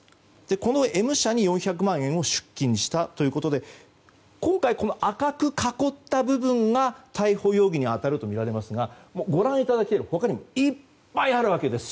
このＭ社に４００万円を出金したということで今回、赤く囲った部分が逮捕容疑に当たるとみられますがご覧いただけるように、他にもいっぱいあるわけです。